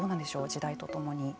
時代とともに。